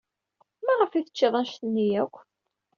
Maɣef ay teččid anect-nni akk?